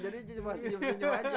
jadi cuma senyum senyum aja gitu